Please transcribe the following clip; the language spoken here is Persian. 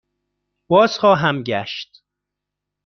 بازخواهم گشت.